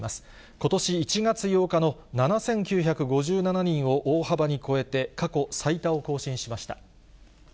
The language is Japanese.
ことし１月８日の７９５７人を大幅に超えて、過去最多を更新しました。